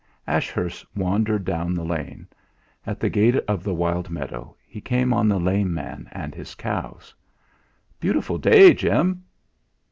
Ashurst wandered down the lane. At the gate of the wild meadow he came on the lame man and his cows. "Beautiful day, Jim!"